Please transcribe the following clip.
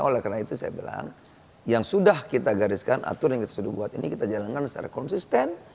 oleh karena itu saya bilang yang sudah kita gariskan atur yang kita sudah buat ini kita jalankan secara konsisten